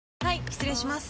失礼します。